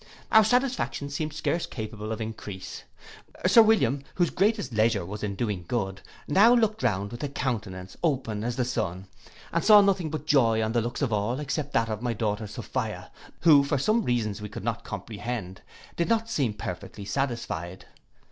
Our satisfaction seemed scarce capable of increase. Sir William, whose greatest pleasure was in doing good, now looked round with a countenance open as the sun, and saw nothing but joy in the looks of all except that of my daughter Sophia, who, for some reasons we could not comprehend, did not seem perfectly satisfied.